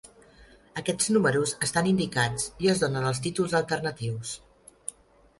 Aquests números estan indicats i es donen els títols alternatius.